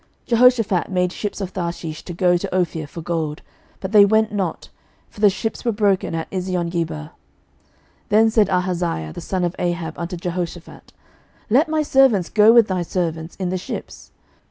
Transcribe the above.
11:022:048 Jehoshaphat made ships of Tharshish to go to Ophir for gold: but they went not; for the ships were broken at Eziongeber. 11:022:049 Then said Ahaziah the son of Ahab unto Jehoshaphat, Let my servants go with thy servants in the ships.